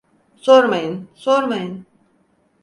Sormayın, sormayın!